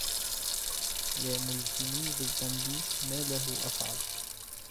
يا ملزمي بالذنب ما لم أفعل